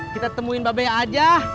kita temuin babai aja